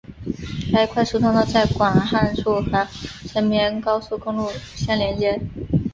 该快速通道在广汉处和成绵高速公路相连接。